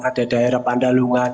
ada daerah pandalungan